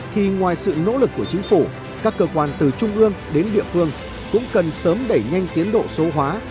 thì ngoài sự nỗ lực của chính phủ các cơ quan từ trung ương đến địa phương cũng cần sớm đẩy nhanh tiến độ số hóa